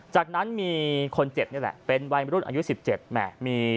จากนั้นมีคนเจ็บนี่แหละเป็นวัยรุ่นอายุ๑๗แหม่มี